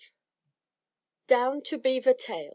DOWN TO BEAVER TAIL.